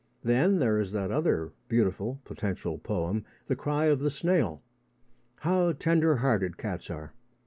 Then there is that other beautiful potential poem, The Cry of the Snail.... How tender hearted cats are!